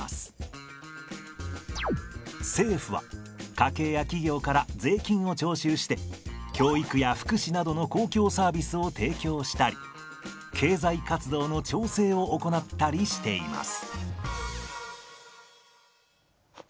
政府は家計や企業から税金を徴収して教育や福祉などの公共サービスを提供したり経済活動の調整を行ったりしています。